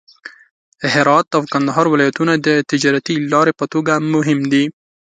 هرات او کندهار ولایتونه د تجارتي لارې په توګه مهم دي.